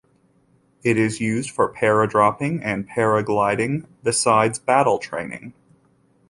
It is used for para-dropping and para-gliding, besides battle training.